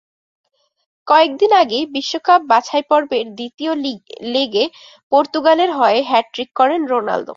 কয়েক দিন আগে বিশ্বকাপ বাছাইপর্বের দ্বিতীয় লেগে পর্তুগালের হয়ে হ্যাটট্রিক করেন রোনালদো।